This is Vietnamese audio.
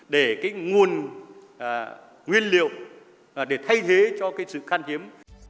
để cái nguồn nguyên liệu để thay thế cho cái sự khan hiếm